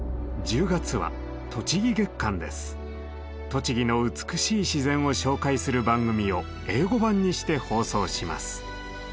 栃木の美しい自然を紹介する番組を英語版にして放送します。